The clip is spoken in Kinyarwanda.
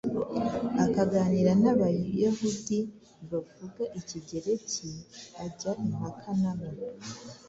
akaganira n’Abayahudi bavuga ikigereki ajya impaka na bo,